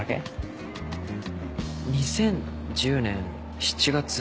２０１０年７月２日。